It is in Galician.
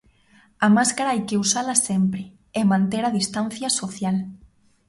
A máscara hai que usala sempre e manter a distancia social.